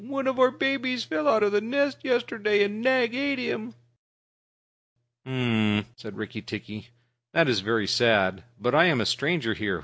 "One of our babies fell out of the nest yesterday and Nag ate him." "H'm!" said Rikki tikki, "that is very sad but I am a stranger here.